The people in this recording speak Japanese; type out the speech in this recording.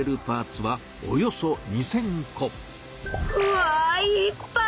わいっぱい！